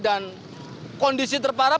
dan kondisi terparah